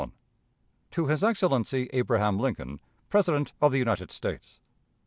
To his Excellency Abraham Lincoln, President of the United States.